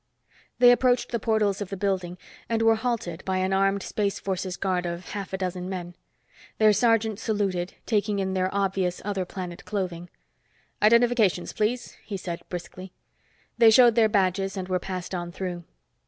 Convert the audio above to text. They approached the portals of the building and were halted by an armed Space Forces guard of half a dozen men. Their sergeant saluted, taking in their obvious other planet clothing. "Identifications, please," he said briskly. They showed their badges and were passed on through.